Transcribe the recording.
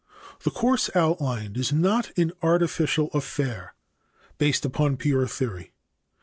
The course outlined is not an artificial affair based upon pure theory.